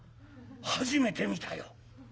初めて見たよ。